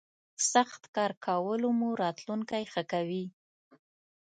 سخت کار کولو مو راتلوونکی ښه کوي.